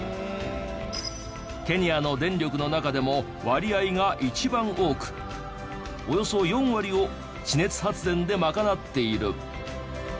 ケニアの電力の中でも割合が一番多くおよそ４割を地熱発電で賄っている。